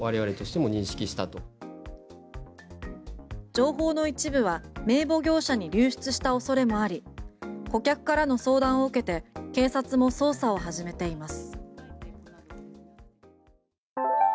情報の一部は名簿業者に流出した恐れもあり顧客からの相談を受けて警察も捜査を始めています。